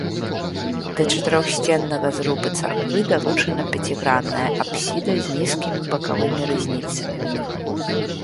Да чатырохсценнага зруба царквы далучана пяцігранная апсіда з нізкімі бакавымі рызніцамі.